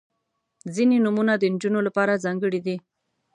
• ځینې نومونه د نجونو لپاره ځانګړي دي.